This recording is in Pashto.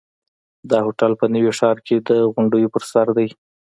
دا هوټل په نوي ښار کې د غونډیو پر سر دی.